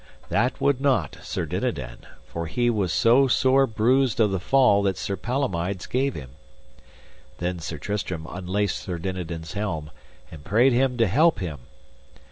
That would not Sir Dinadan, for he was so sore bruised of the fall that Sir Palomides gave him. Then Sir Tristram unlaced Sir Dinadan's helm, and prayed him to help him.